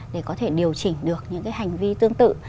để có thể điều chỉnh được những cái hành vi tương tự